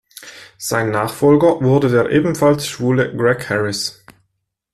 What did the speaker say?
Sein Nachfolger wurde der ebenfalls schwule Greg Harris.